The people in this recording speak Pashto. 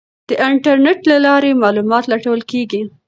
د انټرنیټ له لارې معلومات لټول کیږي.